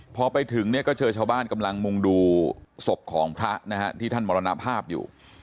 พอไปถึงเนี่ยก็เจอชาวบ้านกำลังมุ่งดูศพของพระนะฮะที่ท่านมรณภาพอยู่